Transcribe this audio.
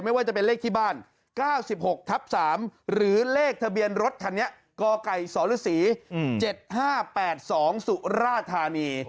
ไม่ว่าจะเป็นเลขที่บ้าน๙๖ทับ๓หรือเลขทะเบียนรถคันนี้กไก่สรศรี๗๕๘๒สุราธานี